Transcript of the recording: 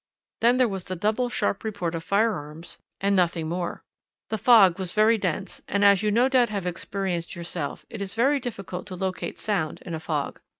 Then there was the double sharp report of firearms, and nothing more. "The fog was very dense, and, as you no doubt have experienced yourself, it is very difficult to locate sound in a fog.